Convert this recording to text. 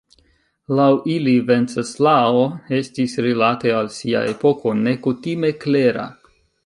Laŭ ili Venceslao estis rilate al sia epoko nekutime klera.